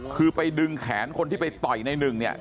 คือไปดึงแขนคนที่ไปต่อยในหนึ่งเนี่ย